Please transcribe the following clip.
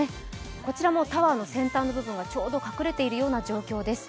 こちらもタワーの先端部分がちょうど隠れているような状況です。